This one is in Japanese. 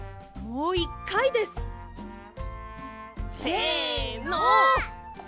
もう１かいです！せの！